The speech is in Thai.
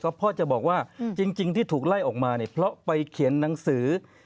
เพราะพ่อจะบอกว่าจริงที่ถูกไล่ออกมาเนี่ยเพราะไปเขียนหนังสือ